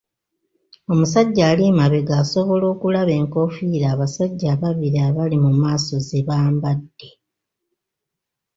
Omusajja ali emabega asobola okulaba enkofiira abasajja ababiri abali mu maaso ze bambadde.